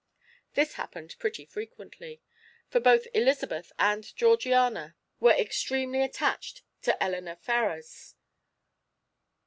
This happened pretty frequently, for both Elizabeth and Georgiana were extremely attached to Elinor Ferrars.